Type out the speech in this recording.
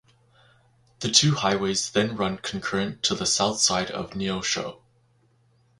The two highways then run concurrent to the south side of Neosho.